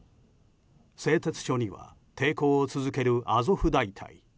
製鉄所には抵抗を続けるアゾフ大隊。